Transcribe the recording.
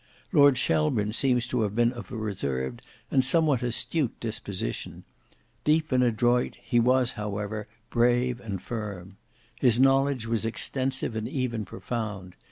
Lord Shelburne seems to have been of a reserved and somewhat astute disposition: deep and adroit, he was however brave and firm. His knowledge was extensive and even profound.